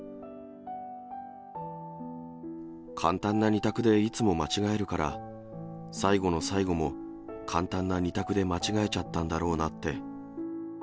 簡単な２択でいつも間違えるから、最後の最後も、簡単な２択で間違えちゃったんだろうなって。